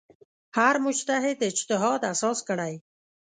هر مجتهد اجتهاد اساس کړی.